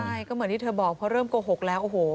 ใช่ก็เหมือนที่เธอบอกเพราะเริ่มโกหกแล้วโอ้โห